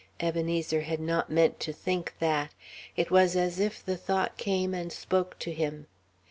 Ebenezer had not meant to think that. It was as if the Thought came and spoke to him.